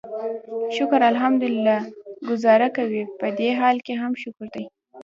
شکر الحمدلله ګوزاره کوي، پدې حال هم شکر دی.